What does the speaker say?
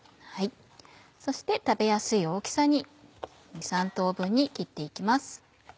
そして食べやすい大きさに２３等分に切って行きます。